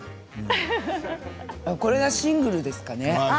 これがシングルですかね。